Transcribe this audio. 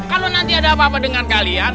kalau nanti ada apa apa dengan kalian